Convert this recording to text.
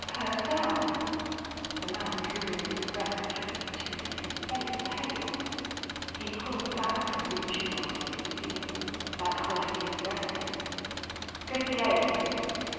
"Purcell!" The man drew in his breath between his teeth, and his face paled. He pulled back from reaching Ronny with his feelings, like holding his breath in. "Good game."